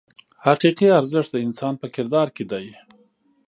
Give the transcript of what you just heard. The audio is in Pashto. حقیقي ارزښت د انسان په کردار کې دی.